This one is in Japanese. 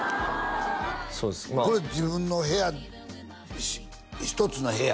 まあこれ自分の部屋１つの部屋？